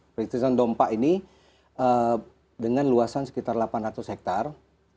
pre trade zone dompa ini dengan luasan sekitar delapan ratus hektare